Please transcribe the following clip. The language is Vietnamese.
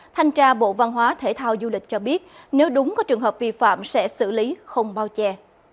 thanh tra bộ văn hóa thể thao du lịch cho biết nếu đúng có trường hợp vi phạm sẽ xử lý không bao che